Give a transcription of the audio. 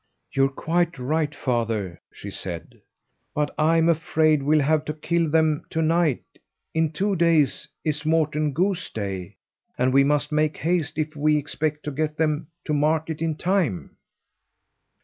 "You're quite right, father," she said. "But I'm afraid we'll have to kill them to night. In two days is Morten Gooseday and we must make haste if we expect to get them to market in time."